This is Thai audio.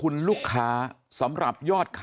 นะครับ